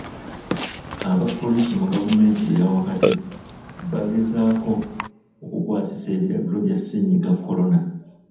Aba poliisi mu gavumenti eyaawakati, bagezaako okukwasisa ebiragiro bya Ssennyiga Korona.